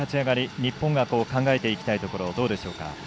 日本が考えていきたいところどうでしょうか。